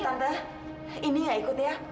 tante indi gak ikut ya